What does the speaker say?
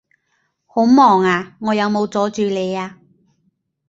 好忙呀？我有冇阻住你呀？